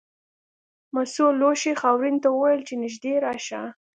مسو لوښي خاورین ته وویل چې نږدې راشه.